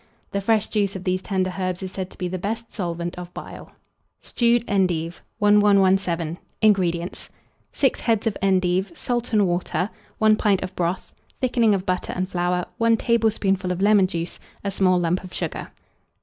The fresh juice of these tender herbs is said to be the best solvent of bile. STEWED ENDIVE. 1117. INGREDIENTS. 6 heads of endive, salt and water, 1 pint of broth, thickening of butter and flour, 1 tablespoonful of lemon juice, a small lump of sugar.